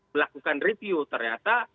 melakukan review ternyata